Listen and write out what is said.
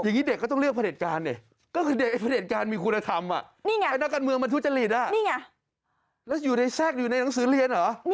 อย่างนี้เด็กก็ต้องเลือกภเตรศกรรณเนี่ย